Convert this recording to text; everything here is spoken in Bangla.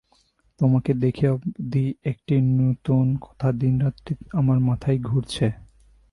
তোমাকে দেখে অবধি একটি নূতন কথা দিনরাত্রি আমার মাথায় ঘুরছে।